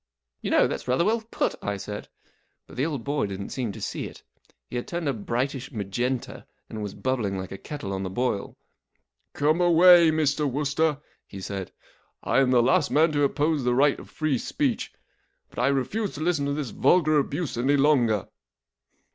44 You know, that's rather well put," I said, but the old boy didn't seem to see it. He had turned a brightish magenta and was bubbling like a kettle on the boil. 44 Come away,' Mr. Wooster," he said. 44 I am the last man to oppose the right of free speech, but I refuse to listen to this vulgar abuse any longer."